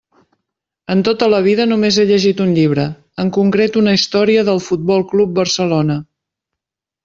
En tota la vida només he llegit un llibre, en concret una història del Futbol Club Barcelona.